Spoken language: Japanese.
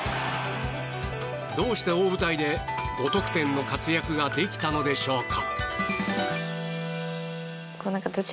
どうして大舞台で５得点の活躍ができたのでしょうか？